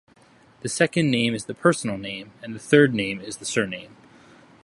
The second name is the personal name and the third name is the surname.